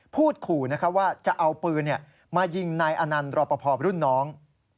พูดขู่ว่าจะเอาปืนมายิงนายอนันต์รอปภรุ่นน้อง